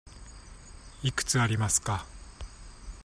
いくつありますか。